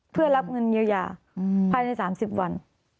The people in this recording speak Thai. เพื่อรับเงินเยียวยาภายใน๓๐วัน